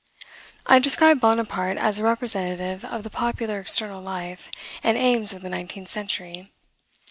I described Bonaparte as a representative of the popular external life and aims of the nineteenth century.